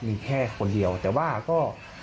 มีแค่คนเดียวแต่ว่าก็